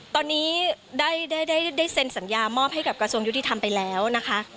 ตอนนี้ได้เซ็นสัญญามอบให้กับกระทรวงยุติธรรมไปแล้วนะคะ